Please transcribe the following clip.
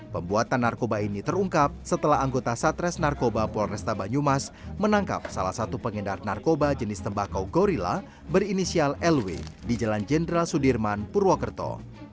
pembuatan narkoba ini terungkap setelah anggota satres narkoba polresta banyumas menangkap salah satu pengedar narkoba jenis tembakau gorilla berinisial lw di jalan jenderal sudirman purwokerto